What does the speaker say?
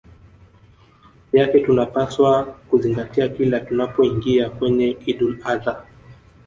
yake tunapaswa kuzingatia kila tunapoingia kwenye Idul Adh ha